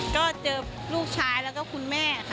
ก็เจอลูกชายแล้วก็คุณแม่ค่ะ